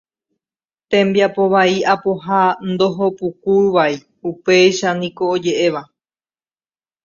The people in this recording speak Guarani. Tembiapo vai apoha ndohopukúvai, upéicha niko oje'éva.